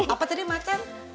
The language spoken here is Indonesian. apa tadi macan